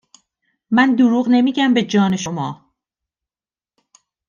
من دروغ نمیگم. به جان شما